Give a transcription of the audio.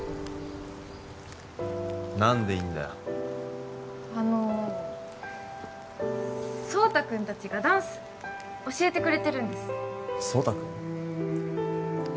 何でいんだよあの奏汰君達がダンス教えてくれてるんです奏汰君？